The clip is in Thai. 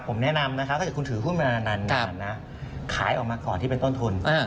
ผมแนะนำนะคะถ้าเกิดคุณถือหุ้นมานานขายออกมาก่อนที่เป็นต้นทุน